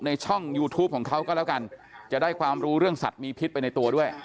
ช่องยูทูปของเขาก็แล้วกันจะได้ความรู้เรื่องสัตว์มีพิษไปในตัวด้วย